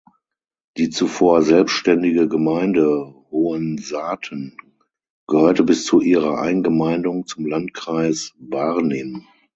Die zuvor selbstständige Gemeinde Hohensaaten gehörte bis zu ihrer Eingemeindung zum Landkreis Barnim.